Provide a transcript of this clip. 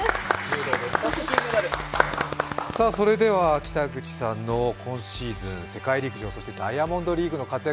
それでは北口さんの今シーズンの世界陸上、そしてダイヤモンドリーグの活躍